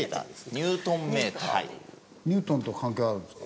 ニュートンと関係あるんですか？